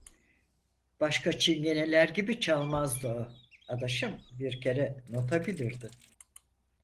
Başka Çingene'ler gibi çalmazdı o, adaşım: Bir kere nota bilirdi.